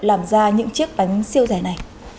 làm ra những chiếc bánh siêu rẻ này